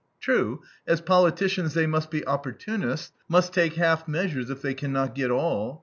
True, as politicians they must be opportunists, must take half measures if they can not get all.